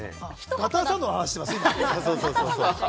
バターサンドの話してますね。